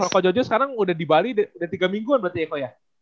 ko jojo sekarang udah di bali udah tiga mingguan berarti ya ko ya